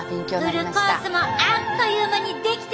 フルコースもあっという間に出来てまうで！